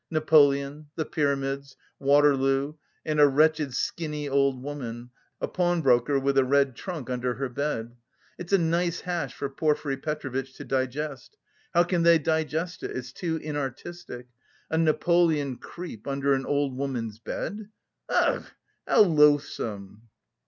Napoleon, the pyramids, Waterloo, and a wretched skinny old woman, a pawnbroker with a red trunk under her bed it's a nice hash for Porfiry Petrovitch to digest! How can they digest it! It's too inartistic. "A Napoleon creep under an old woman's bed! Ugh, how loathsome!"